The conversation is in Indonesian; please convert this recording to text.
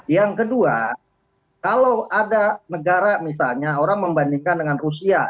yang kedua kalau ada negara misalnya orang membandingkan dengan rusia